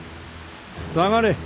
下がれ。